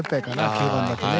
９番だとね。